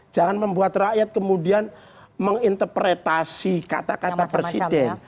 jangan membuat rakyat kemudian menginterpretasi kata kata presiden